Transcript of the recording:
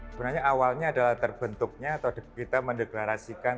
sebenarnya awalnya adalah terbentuknya atau kita mendeklarasikan